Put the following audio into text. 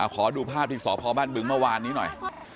ขอดูภาพที่สพบ้านบึงเมื่อวานนี้หน่อย